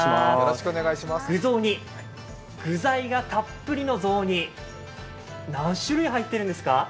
具雑煮、具材がたっぷりの雑煮、何種類入っているんですか？